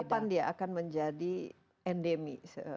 kapan dia akan menjadi endemi